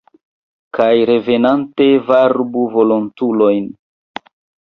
Kaj revenante varbu volontulojn!